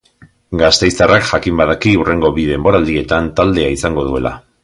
Gasteiztarrak jakin badaki hurrengo bi denboraldietan taldea izango duela.